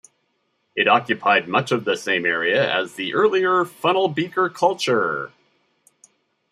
It occupied much of the same area as the earlier Funnelbeaker culture.